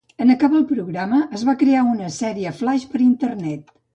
En acabar el programa, es va crear una sèrie flaix per Internet.